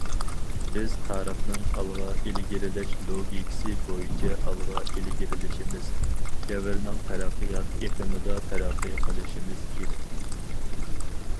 بىز تارىخنىڭ ئالغا ئىلگىرىلەش لوگىكىسى بويىچە ئالغا ئىلگىرىلىشىمىز، دەۋرنىڭ تەرەققىيات ئېقىمىدا تەرەققىي قىلىشىمىز كېرەك.